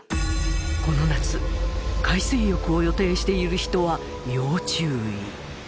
この夏海水浴を予定している人は要注意。